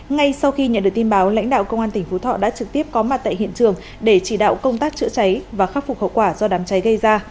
ngay sau khi nhận được tin báo lãnh đạo công an tỉnh phú thọ đã trực tiếp có mặt tại hiện trường để chỉ đạo công tác chữa cháy và khắc phục hậu quả do đám cháy gây ra